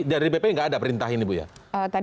jadi dpp nggak ada perintah ini bu ya